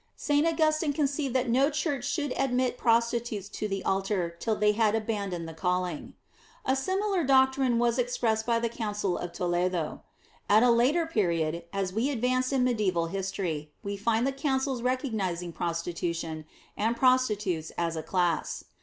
St. Augustin conceived that no church should admit prostitutes to the altar till they had abandoned the calling. A similar doctrine was expressed by the Council of Toledo. At a later period, as we advance in mediæval history, we find the councils recognizing prostitution, and prostitutes as a class.